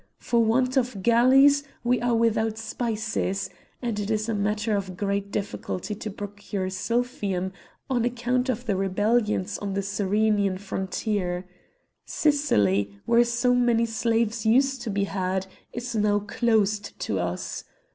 For want of galleys we are without spices, and it is a matter of great difficulty to procure silphium on account of the rebellions on the Cyrenian frontier. Sicily, where so many slaves used to be had, is now closed to us!